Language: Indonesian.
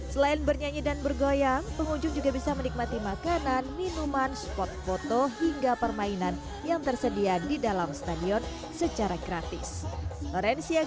selain bernyanyi dan bergoyang pengunjung juga bisa menikmati makanan minuman spot foto hingga permainan yang tersedia di dalam stadion secara gratis